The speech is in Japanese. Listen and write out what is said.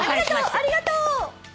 ありがとう！